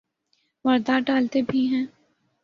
واردات ڈالتے بھی ہیں۔